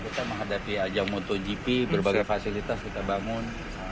kita menghadapi ajang motogp berbagai fasilitas kita bangun